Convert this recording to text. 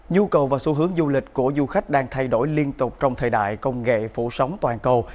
nhu cầu và xu hướng du lịch của du khách đang thay đổi liên tục trong thời đại công nghệ phủ sóng toàn cầu